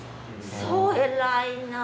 そう偉いな。